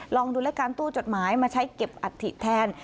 ลองดูรายการตู้จดหมายมาใช้เก็บอัฐิแทน